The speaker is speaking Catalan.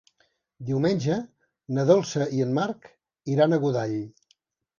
Diumenge na Dolça i en Marc iran a Godall.